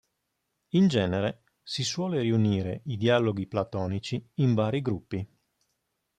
In genere, si suole riunire i dialoghi platonici in vari gruppi.